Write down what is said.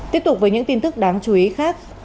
tiếp tục với những tin tức đáng chú ý khác